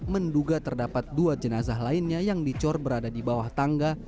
menduga terdapat dua jenazah lainnya yang dicor berada di bawah tangga